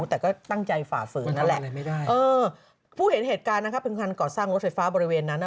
แต่ก็ตั้งใจฝ่าฝืนนั่นแหละผู้เห็นเหตุการณ์นะครับเป็นคันก่อสร้างรถไฟฟ้าบริเวณนั้น